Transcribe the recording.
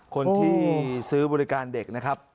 คนที่ซื้อบริการเด็กนะครับ